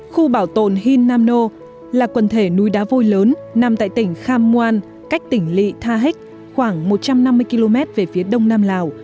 khu bảo tồn hin nam no là quần thể núi đá vôi lớn nằm tại tỉnh kham muaan cách tỉnh lị tha hích khoảng một trăm năm mươi km về phía đông nam lào